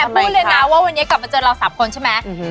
พูดเลยนะว่าวันนี้กลับมาเจอเรา๓คนใช่ไหม